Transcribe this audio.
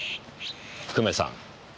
久米さん。